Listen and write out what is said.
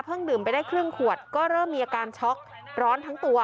ดื่มไปได้ครึ่งขวดก็เริ่มมีอาการช็อกร้อนทั้งตัว